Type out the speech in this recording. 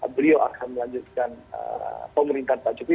beliau akan melanjutkan pemerintahan pak jokowi